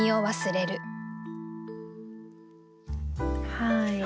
はい。